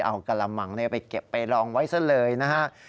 เอากระมังไปเก็บไปลองไว้ซะเลยนะฮะ